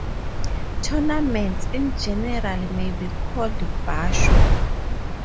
Tournaments in general may be called "basho".